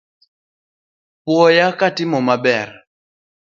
Puoya katimo maber